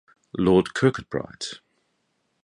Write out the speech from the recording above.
Lord Kirkcudbright.